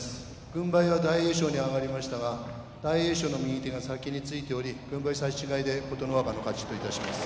軍配は大栄翔に上がりましたが大栄翔の右手が先についており軍配差し違えで琴ノ若の勝ちといたします。